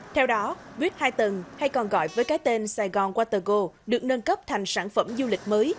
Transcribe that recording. theo đó buýt hai tầng hay còn gọi với cái tên sài gòn watergo được nâng cấp thành sản phẩm du lịch mới